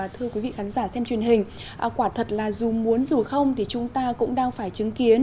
thưa quý vị khán giả xem truyền hình quả thật là dù muốn dù không thì chúng ta cũng đang phải chứng kiến